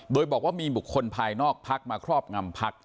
โดยบอกว่ามีบุคคลภายนอกพักมาครอบงำพัก